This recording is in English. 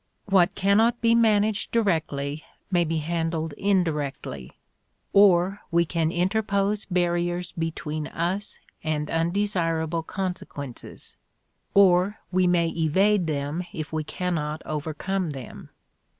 What cannot be managed directly may be handled indirectly; or we can interpose barriers between us and undesirable consequences; or we may evade them if we cannot overcome them.